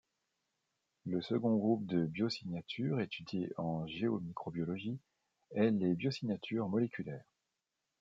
Le second groupe de biosignatures étudié en géomicrobiologie est les biosignatures moléculaires.